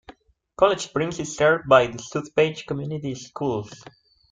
College Springs is served by the South Page Community Schools.